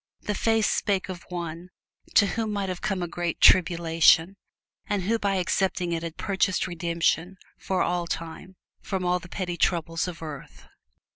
The face spake of one to whom might have come a great tribulation, and who by accepting it had purchased redemption for all time from all the petty troubles of earth.